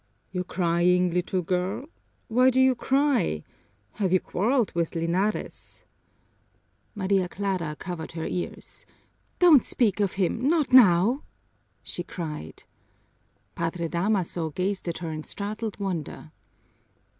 "You're crying, little girl? Why do you cry? Have you quarreled with Linares?" Maria Clara covered her ears. "Don't speak of him not now!" she cried. Padre Damaso gazed at her in startled wonder.